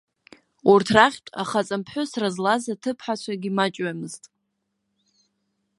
Урҭ рахьтә ахаҵамԥҳәысра злаз аҭыԥҳацәагьы маҷҩымызт.